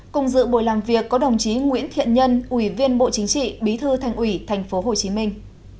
cùng dự buổi làm việc có đồng chí nguyễn thiện nhân ủy viên bộ chính trị bí thư thành ủy thành phố hồ chí minh